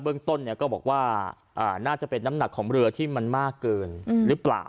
เรื่องต้นก็บอกว่าน่าจะเป็นน้ำหนักของเรือที่มันมากเกินหรือเปล่า